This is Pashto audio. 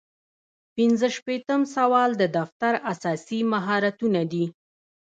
پنځه شپیتم سوال د دفتر اساسي مهارتونه دي.